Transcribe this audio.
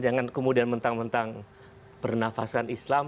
jangan kemudian mentang mentang bernafaskan islam